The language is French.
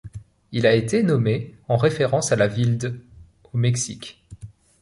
Il a été nommé en référence à la ville d' au Mexique.